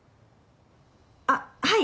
あっはい。